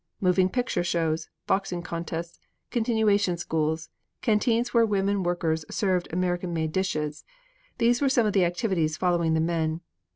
Moving picture shows, boxing contests, continuation schools, canteens where women workers served American made dishes these were some of the activities following the men.